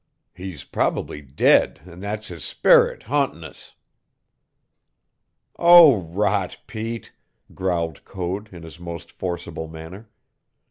He's probably dead an' that's his sperrit, ha'ntin' us." "Oh, rot, Pete!" growled Code in his most forcible manner.